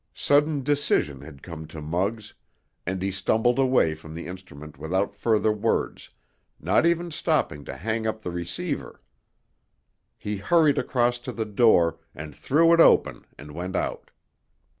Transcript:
Sudden decision had come to Muggs, and he stumbled away from the instrument without further words, not even stopping to hang up the receiver. He hurried across to the door and threw it open and went out.